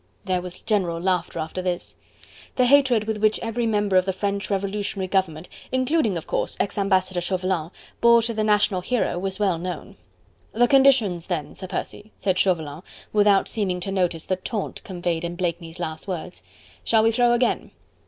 There was general laughter after this. The hatred which every member of the French revolutionary government including, of course, ex Ambassador Chauvelin bore to the national hero was well known. "The conditions then, Sir Percy," said Chauvelin, without seeming to notice the taunt conveyed in Blakeney's last words. "Shall we throw again?"